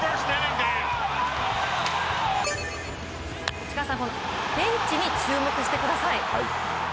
内川さん、このベンチに注目してください。